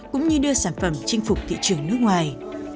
cũng như đưa sản phẩm chinh phục thị trường nước ngoài